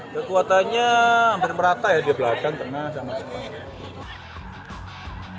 kekuatannya hampir merata ya di belakang pernah sama sama